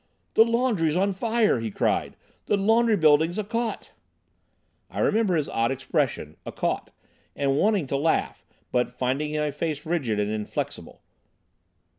"The laundry's on fire!" he cried; "the laundry building's a caught!" I remember his odd expression "a caught," and wanting to laugh, but finding my face rigid and inflexible.